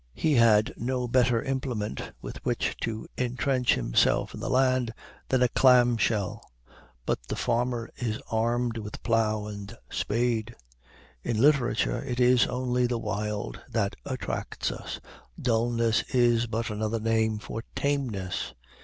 He had no better implement with which to intrench himself in the land than a clam shell. But the farmer is armed with plow and spade. In literature it is only the wild that attracts us. Dullness is but another name for tameness.